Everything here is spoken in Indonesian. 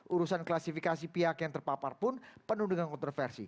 urusan klasifikasi pihak yang terpapar pun penuh dengan kontroversi